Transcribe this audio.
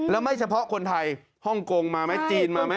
แล้วไม่เฉพาะคนไทยฮ่องกงมาไหมจีนมาไหม